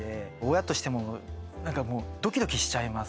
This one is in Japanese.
親としてもなんか、もうドキドキしちゃいます。